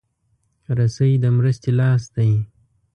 رسۍ د مرستې لاس دی.